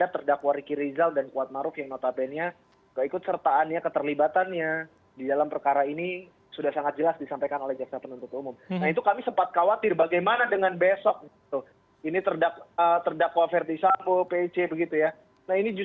terima kasih pak suparji